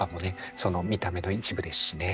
その見た目の一部ですしね。